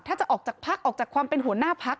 ถ้าจะออกจากพักออกจากความเป็นหัวหน้าพัก